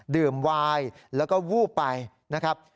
ดื่มไวน์แล้วก็วู้ไปนะครับ